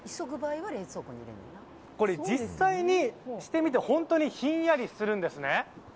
これ、実際にしてみて本当にひんやりするんですね。